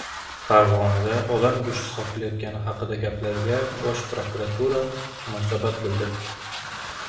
Farg‘onada odam go‘shti sotilayotgani haqidagi gaplarga Bosh prokuratura munosabat bildirdi